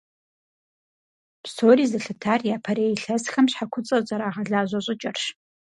Псори зэлъытар япэрей илъэсхэм щхьэ куцӀыр зэрагъэлажьэ щӀыкӀэрщ.